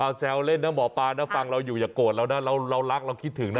แซวเล่นนะหมอปลานะฟังเราอยู่อย่าโกรธเรานะเรารักเราคิดถึงนะ